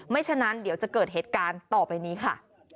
ฉะนั้นเดี๋ยวจะเกิดเหตุการณ์ต่อไปนี้ค่ะ